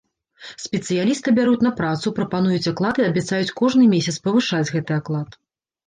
Спецыяліста бяруць на працу, прапануюць аклад і абяцаюць кожны месяц павышаць гэты аклад.